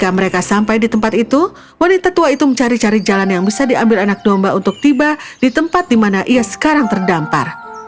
ketika mereka sampai di tempat itu wanita tua itu mencari cari jalan yang bisa diambil anak domba untuk tiba di tempat di mana ia sekarang terdampar